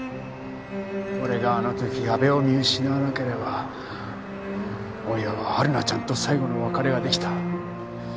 俺があの時阿部を見失わなければ大岩は春菜ちゃんと最後の別れが出来た。